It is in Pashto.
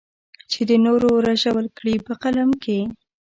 چې د نورو رژول کړې په قلم کې.